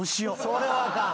それはあかん。